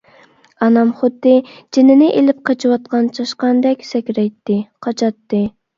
ئانام خۇددى جېنىنى ئېلىپ قېچىۋاتقان چاشقاندەك سەكرەيتتى، قاچاتتى.